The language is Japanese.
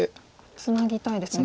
ツナぎたいですね。